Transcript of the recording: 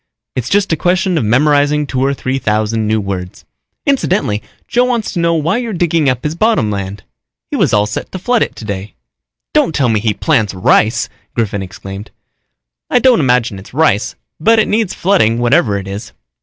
It's just a question of memorizing two or three thousand new words. Incidentally, Joe wants to know why you're digging up his bottom land. He was all set to flood it today." "Don't tell me he plants rice!" Griffin exclaimed. "I don't imagine it's rice, but it needs flooding whatever it is."